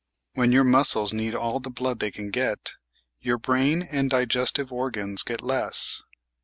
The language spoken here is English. When your muscles need all the blood they can get, your brain and digestive organs get less.